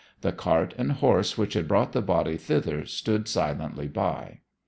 The cart and horse which had brought the body thither stood silently by.